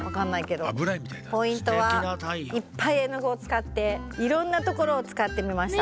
ポイントはいっぱい絵のぐをつかっていろんなところをつかってみました。